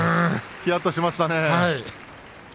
ひやっとしました。